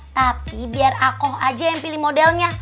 tapi biar akoh aja yang pilih modelnya